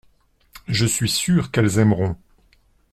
Je suis sûr qu’elles aimeront.